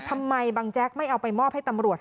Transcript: ทำไมบังแจ๊กไม่เอาไปมอบให้ตำรวจ